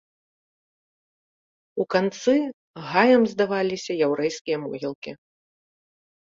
У канцы гаем здаваліся яўрэйскія могілкі.